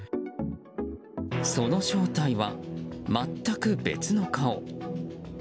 その正体は全く別の顔。